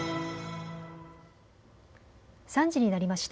３時になりました。